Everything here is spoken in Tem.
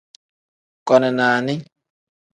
Koni nani.